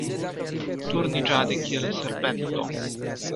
Turniĝadi kiel serpento.